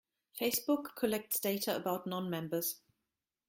Facebook collects data about non-members.